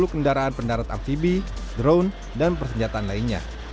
dua puluh kendaraan pendarat amphibie drone dan persenjataan lainnya